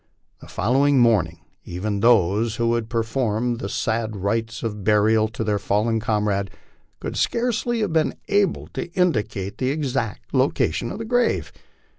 The following morning even those who had performed the sad rites of burial to their fallen comrade could scarcely have been able to indicate the exact location of the grave.